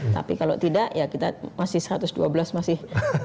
tapi kalau tidak ya kita masih satu ratus dua belas masih